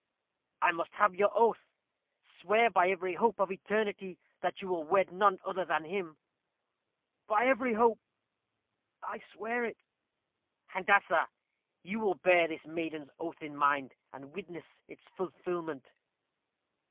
"I must have your oath. Swear by every hope of eternity that you will wed none other than him." "By every hope, I swear it." "Handassah, you will bear this maiden's oath in mind, and witness its fulfilment."